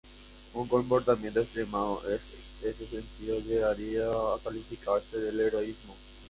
Un comportamiento extremado en ese sentido llegaría a calificarse de heroísmo.